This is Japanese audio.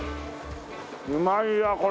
うまいなこれ。